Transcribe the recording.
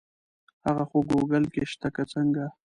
هغه خو ګوګل کې شته که څنګه.